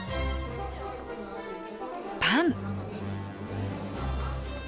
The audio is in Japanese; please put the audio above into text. パン。